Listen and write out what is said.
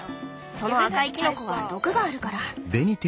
その赤いキノコは毒があるから。